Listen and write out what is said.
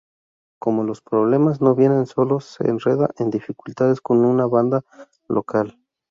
Como los problemas no vienen solos, se enreda en dificultades con una banda local.